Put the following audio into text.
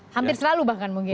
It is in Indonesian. hampir selalu bahkan mungkin